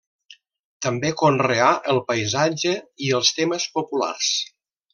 També conreà el paisatge i els temes populars.